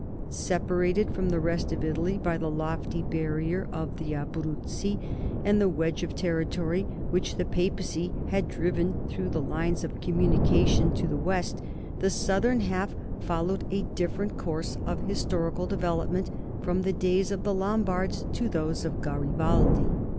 Separated from the rest of Italy by the lofty barrier of the Abruzzi and the wedge of territory which the Papacy had driven through the lines of com munication to the west, the southern half followed a 1 Delarc, Les Normands en Italic, p. 35. THE NORMANS IN THE SOUTH 197 different course of historical development from the days of the Lombards to those of Garibaldi.